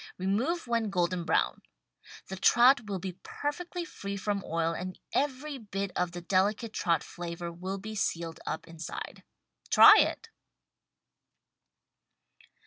Re move when golden brown. The trout will be perfectly free from oil and every bit of the delicate trout flavor will be sealed up inside. Try it!